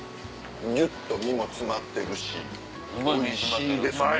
ぎゅっと身も詰まってるしおいしいですね。